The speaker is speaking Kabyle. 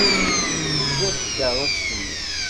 Tzad tkeṛṛust-nni!